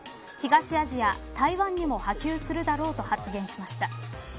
東アジア、台湾にも波及するだろうと発言しました。